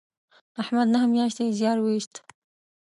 احمد نهه میاشتې زیار و ایست